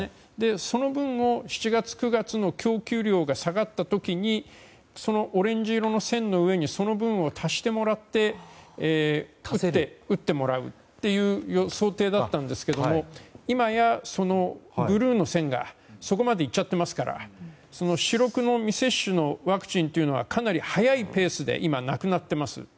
その分を７月、９月の供給量が下がった時にオレンジ色の線の上にその分を足してもらって打ってもらうという想定だったんですけども今やそのブルーの線がそこまでいっていますから４６の未接種のワクチンというのはかなり速いペースで今なくなっています。